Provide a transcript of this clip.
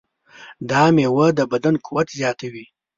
دا مېوه د بدن قوت زیاتوي.